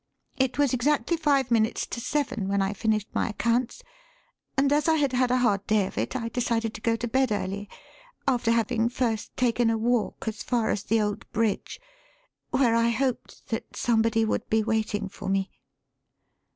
It was exactly five minutes to seven when I finished my accounts, and as I had had a hard day of it, I decided to go to bed early, after having first taken a walk as far as the old bridge where I hoped that somebody would be waiting for me."